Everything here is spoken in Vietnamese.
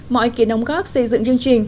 mọi kỳ nồng góp xây dựng chương trình